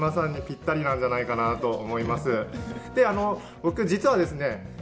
僕実はですね先輩。